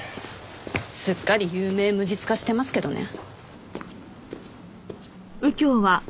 すっかり有名無実化してますけどね。